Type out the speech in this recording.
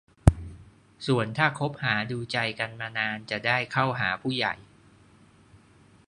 ส่วนถ้าคบหาดูใจกันมานานจะได้เข้าหาผู้ใหญ่